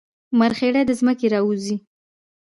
مرخیړي له ځمکې راوځي